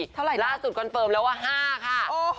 เท่าไหร่ล่าสุดคอนเฟิร์มแล้วว่า๕ค่ะ